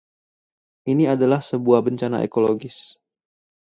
Ini adalah sebuah bencana ekologis.